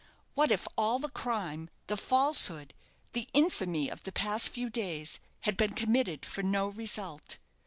What if all the crime, the falsehood, the infamy of the past few days had been committed for no result?